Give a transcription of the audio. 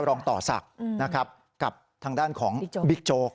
รองต่อศักดิ์นะครับกับทางด้านของบิ๊กโจ๊ก